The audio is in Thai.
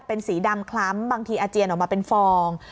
เป็นสีดำคล้ำบางทีอาเจียนออกมาเป็นฟอง